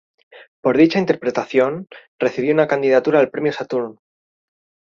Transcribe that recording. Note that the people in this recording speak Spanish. Por dicha interpretación, recibió una candidatura al premio Saturn.